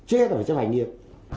chết ở trong hành nghiệp